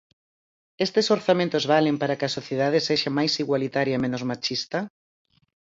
¿Estes orzamentos valen para que a sociedade sexa máis igualitaria e menos machista?